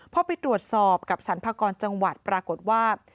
พอไปตรวจสอบกับสรรพากรจังหวัดปรากฏว่า